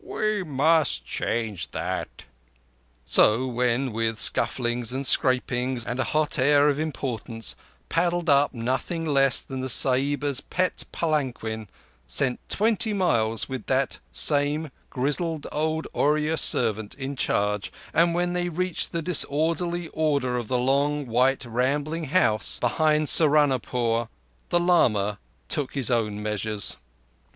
"We must change that." So, when with scufflings and scrapings and a hot air of importance, paddled up nothing less than the Sahiba's pet palanquin sent twenty miles, with that same grizzled old Oorya servant in charge, and when they reached the disorderly order of the long white rambling house behind Saharunpore, the lama took his own measures.